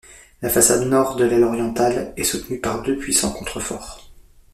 La façade nord de l'aile orientale est soutenue par deux puissants contreforts.